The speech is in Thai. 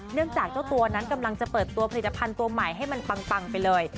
จากเจ้าตัวนั้นกำลังจะเปิดตัวผลิตภัณฑ์ตัวใหม่ให้มันปังไปเลย